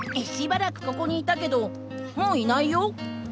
しばらくここにいたけどもういないよ。